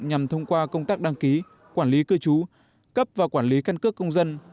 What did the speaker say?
nhằm thông qua công tác đăng ký quản lý cư trú cấp và quản lý căn cước công dân